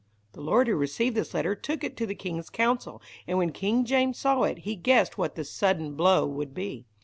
The lord who received this letter took it to the King's Council, and when King James saw it, he guessed what the "sudden blow" would be.